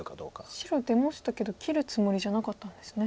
白出ましたけど切るつもりじゃなかったんですね。